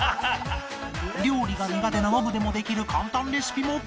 料理が苦手なノブでもできる簡単レシピも